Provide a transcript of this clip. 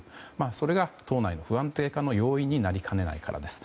それが党内の不安定化の要因になりかねないからです。